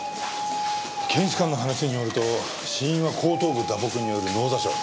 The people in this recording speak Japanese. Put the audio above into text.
検視官の話によると死因は後頭部打撲による脳挫傷。